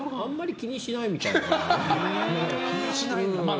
気にしないんだ。